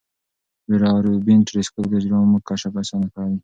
ویرا روبین ټیلسکوپ د اجرامو کشف اسانه کوي.